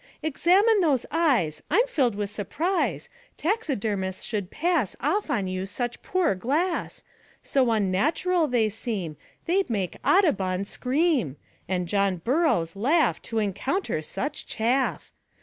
'Examine those eyes I'm filled with surprise Taxidermists should pass Off on you such poor glass; So unnatural they seem They'd make Audubon scream, And John Burroughs laugh To encounter such chaff.